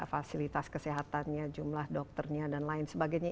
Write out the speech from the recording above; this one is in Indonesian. fasilitas kesehatannya jumlah dokternya dan lain sebagainya